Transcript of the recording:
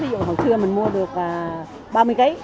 ví dụ hồi xưa mình mua được ba mươi kg